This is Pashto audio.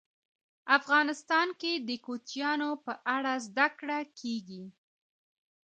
افغانستان کې د کوچیانو په اړه زده کړه کېږي.